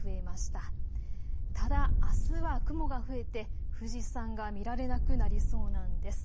ただあすは雲が増えて富士山が見られなくなりそうなんです。